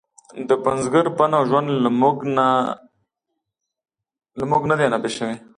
د پنځګر فن او ژوند له موږ نه دی نفي شوی.